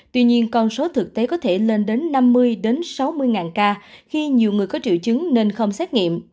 tuy nhiên con số thực tế có thể lên đến năm mươi sáu mươi ngàn ca khi nhiều người có triệu chứng nên không xét nghiệm